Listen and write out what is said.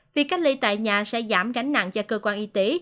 việc cách ly tại nhà sẽ giảm gánh nặng cho cơ quan y tế